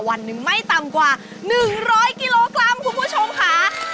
วันหนึ่งไม่ต่ำกว่า๑๐๐กิโลกรัมคุณผู้ชมค่ะ